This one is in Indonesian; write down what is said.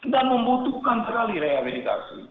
dan membutuhkan sekali rehabilitasi